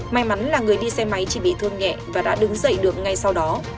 may mắn là người đi xe máy chỉ bị thương nhẹ và đã đứng dậy được ngay sau đó